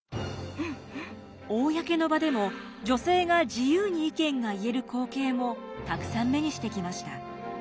公の場でも女性が自由に意見が言える光景もたくさん目にしてきました。